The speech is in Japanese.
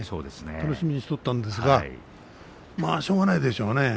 楽しみにしとったんですがしょうがないでしょうね。